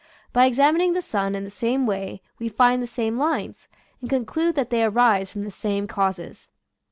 By examin ing the sun in the same way we find the same lines, and conclude that they arise from the same causes.